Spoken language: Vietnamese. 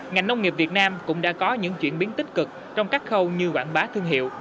ngành nông nghiệp việt nam cũng đã có những chuyển biến tích cực trong các khâu như quảng bá thương hiệu